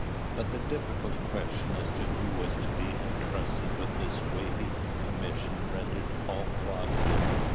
But the difficult question as to who was to be intrusted with this weighty commission rendered all thoughtful.